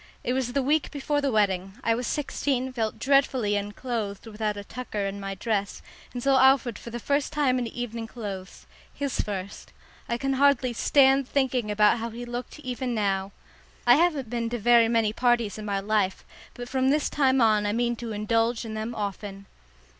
It was the week before the wedding. I was sixteen, felt dreadfully unclothed without a tucker in my dress, and saw Alfred for the first time in evening clothes his first. I can hardly stand thinking about how he looked even now. I haven't been to very many parties in my life, but from this time on I mean to indulge in them often.